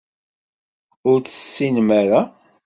Ur tt-tessinem ara.